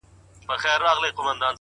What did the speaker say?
د هغه ږغ زما د ساه خاوند دی,